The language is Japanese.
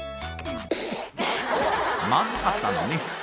まずかったのね。